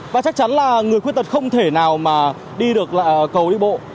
và chắc chắn là người khuyết tật không thể nào mà đi được lại cầu đi bộ